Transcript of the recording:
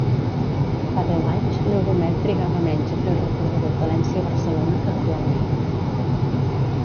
Fa deu anys, l'Euromed trigava menys a fer el recorregut València-Barcelona que actualment.